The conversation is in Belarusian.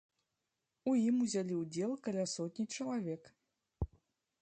У ім узялі ўдзел каля сотні чалавек.